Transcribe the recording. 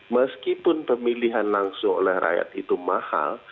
meskipun pemilihan langsung oleh rakyat itu mahal